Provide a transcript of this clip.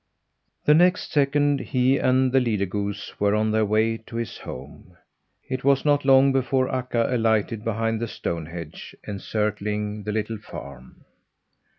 The next second he and the leader goose were on their way to his home. It was not long before Akka alighted behind the stone hedge encircling the little farm.